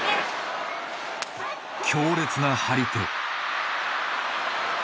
強烈な張り手。